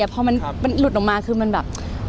แต่พอมันหลุดออกมาคือมันแบบ